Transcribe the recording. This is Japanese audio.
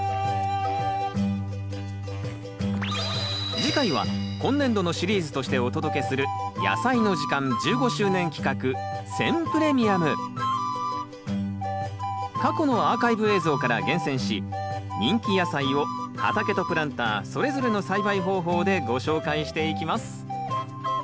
次回は今年度のシリーズとしてお届けする過去のアーカイブ映像から厳選し人気野菜を「畑」と「プランター」それぞれの栽培方法でご紹介していきます。